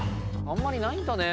あんまりないんだね